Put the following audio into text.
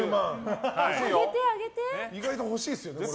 意外と欲しいですよね。